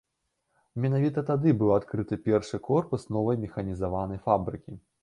Менавіта тады быў адкрыты першы корпус новай механізаванай фабрыкі.